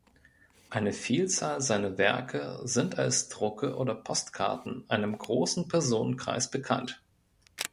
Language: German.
Eine Vielzahl seiner Werke sind als Drucke oder Postkarten einem großen Personenkreis bekannt.